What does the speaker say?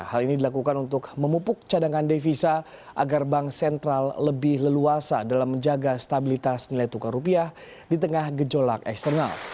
hal ini dilakukan untuk memupuk cadangan devisa agar bank sentral lebih leluasa dalam menjaga stabilitas nilai tukar rupiah di tengah gejolak eksternal